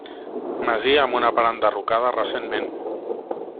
Masia amb una part enderrocada recentment.